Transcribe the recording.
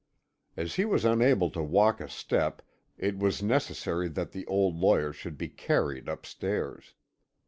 As he was unable to walk a step it was necessary that the old lawyer should be carried upstairs.